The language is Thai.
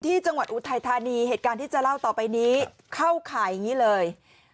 อุทัยธานีเหตุการณ์ที่จะเล่าต่อไปนี้เข้าข่ายอย่างนี้เลย